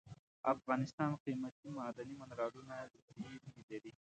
افغانستان قیمتي معدني منرالونو زیرمې لري.